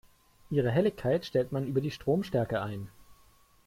Ihre Helligkeit stellt man über die Stromstärke ein.